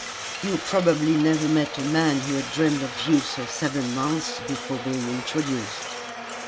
"You probably never met a man who had dreamed of you for seven months before being introduced."